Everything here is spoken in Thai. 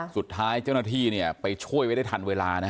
สุดท้ายเจ้าหน้าที่เนี่ยไปช่วยไว้ได้ทันเวลานะฮะ